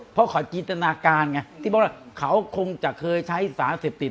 เพราะเขาจินตนาการไงที่บอกว่าเขาคงจะเคยใช้สารเสพติด